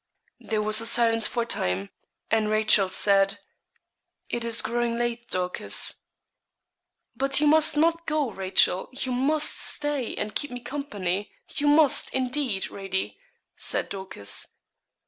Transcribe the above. There was a silence for a time, and Rachel said, 'It is growing late, Dorcas.' 'But you must not go, Rachel you must stay and keep me company you must, indeed, Radie,' said Dorcas.